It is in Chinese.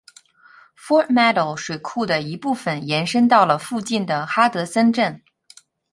Fort Meadow 水库的一部分延伸到了附近的哈德森镇。